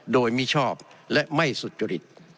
โดยมิชอบและไม่สุจริต